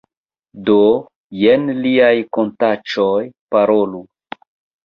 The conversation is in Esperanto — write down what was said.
Do, jen liaj kantaĉoj, Parolu